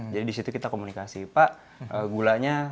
jadi disitu kita komunikasi pak gulanya